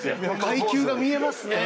階級が見えますね。